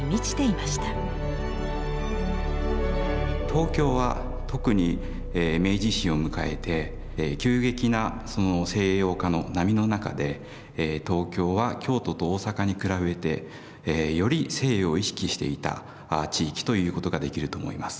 東京は特に明治維新を迎えて急激な西洋化の波の中で東京は京都と大阪に比べてより西洋を意識していた地域ということができると思います。